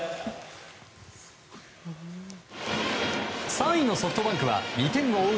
３位のソフトバンクは２点を追う